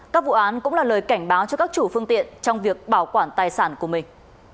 các vụ án cũng là lời cảnh báo cho các chủ phương tiện trong việc bảo quản tài sản của mình